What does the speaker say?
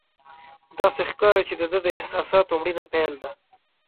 داسې ښکاري چې د ده د احساساتو مړینه پیل ده.